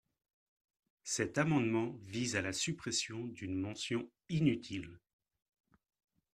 Cet amendement vise à la suppression d’une mention inutile.